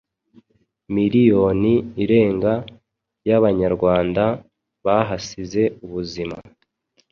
Miriyoni irenga y’Abanyarwanda bahasize ubuzima